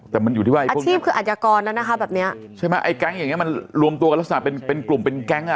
แต่มันอยู่ที่ว่าอาชีพคืออัธยากรแล้วนะคะแบบเนี้ยใช่ไหมไอ้แก๊งอย่างเงี้มันรวมตัวกันลักษณะเป็นเป็นกลุ่มเป็นแก๊งอ่ะ